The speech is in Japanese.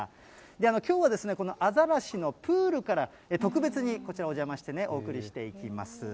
きょうはこのアザラシのプールから、特別にこちら、お邪魔して、お送りしていきます。